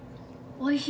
おいしい？